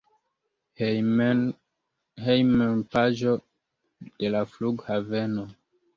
Hejmpaĝo de la flughaveno.